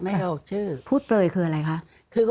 ไม่เอาชื่อ